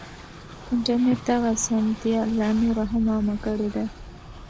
انټرنټ دغه اسانتيا لا نوره هم عامه کړې ده.